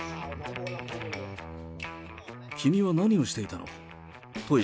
君は何をしていたの？